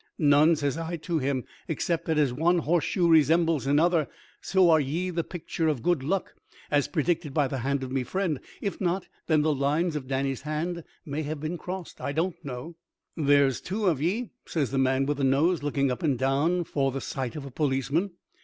"None," says I to him, "except that as one horseshoe resembles another so are ye the picture of good luck as predicted by the hand of me friend. If not, then the lines of Danny's hand may have been crossed, I don't know." "There's two of ye," says the man with the nose, looking up and down for the sight of a policeman.